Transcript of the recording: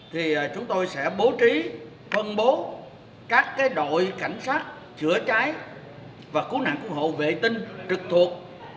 thì chúng tôi sẽ bố trí phân bố các đội cảnh sát chữa cháy và cứu nạn cứu hộ vệ tinh trực thuộc